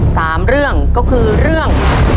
สามเรื่องก็คือเรื่อง